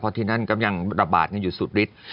เพราะที่นั่นก็ยังระบาดกันอยู่สุดฤทธิ์